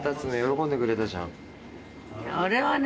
あれはね。